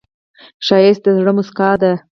ښایست د زړه موسکا ده